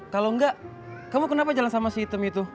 kalau enggak kamu kenapa jalan sama si hitam itu